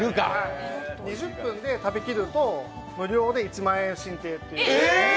２０分で食べきると無料で１万円進呈っていう。